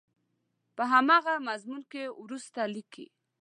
په همدغه مضمون کې وروسته لیکي.